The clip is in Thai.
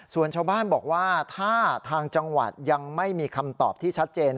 ส่วนชาวบ้านบอกว่าถ้าทางจังหวัดยังไม่มีคำตอบที่ชัดเจน